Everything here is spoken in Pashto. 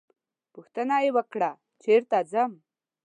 پوښتنه یې وکړه چېرته ځم.